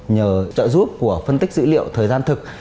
nhờ trợ giúp của phân tích dữ liệu thời gian thực